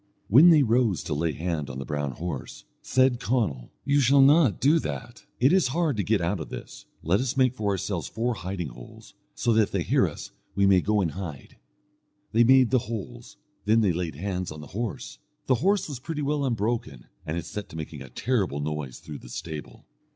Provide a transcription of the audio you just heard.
When they rose to lay hand on the brown horse, said Conall, "You shall not do that. It is hard to get out of this; let us make for ourselves four hiding holes, so that if they hear us we may go and hide." They made the holes, then they laid hands on the horse. The horse was pretty well unbroken, and he set to making a terrible noise through the stable.